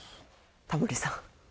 タモリさん。